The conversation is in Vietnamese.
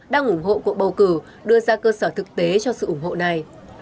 đang ủng hộ cuộc bầu cử đưa ra cơ sở thực tế cho sự ủng hộ này